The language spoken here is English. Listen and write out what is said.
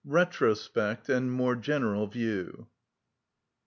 Retrospect and More General View.